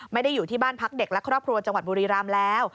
ไม่ได้อยู่ที่บ้านพักเด็กและครอบครัวจังหวัดบุรีรำแล้ว